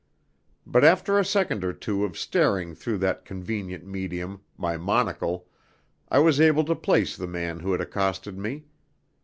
But after a second or two of staring through that convenient medium, my monocle, I was able to place the man who had accosted me.